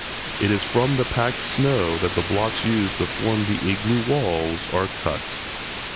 It is from the packed snow that the blocks used to form the igloo walls are cut.